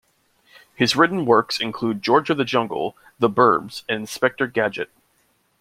His written works include "George of the Jungle", "The 'Burbs" and "Inspector Gadget".